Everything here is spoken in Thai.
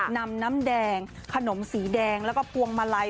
น้ำแดงขนมสีแดงแล้วก็พวงมาลัย